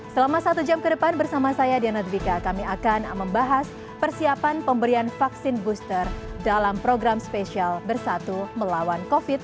selama satu jam ke depan bersama saya diana dwika kami akan membahas persiapan pemberian vaksin booster dalam program spesial bersatu melawan covid sembilan belas